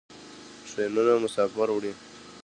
ټرینونه مسافر وړي.